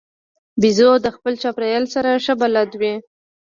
بیزو د خپل چاپېریال سره ښه بلد وي.